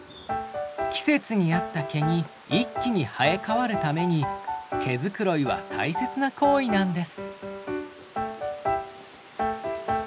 季節に合った毛に一気に生え変わるために毛繕いは大切な行為なんです。